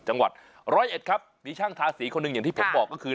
จังหวัดร้อยเอ็ดครับมีช่างทาสีคนหนึ่งอย่างที่ผมบอกก็คือ